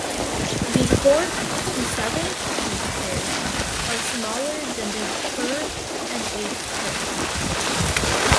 The fourth to seventh tooth pairs are smaller than the third and eight pair.